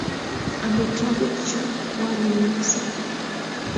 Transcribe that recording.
Amitwogik chi ko anyiny mising